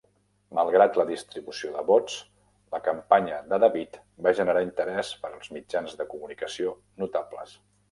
Malgrat la distribució de vots, la campanya de David va generar interès pels mitjans de comunicació notables.